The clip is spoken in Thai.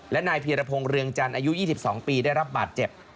และนายเพียรพงศ์เรืองจันทร์อายุ๒๒ปีได้รับบาดเจ็บ